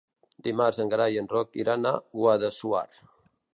Dimarts en Gerai i en Roc iran a Guadassuar.